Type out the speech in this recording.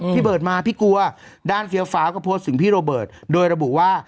เบิร์ดมาพี่กลัวด้านเฟี้ยวฟ้าก็โพสต์ถึงพี่โรเบิร์ตโดยระบุว่า